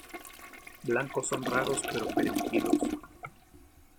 Blancos son raros pero permitidos.